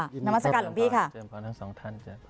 ยินดีครับเจอพอทั้งสองท่าน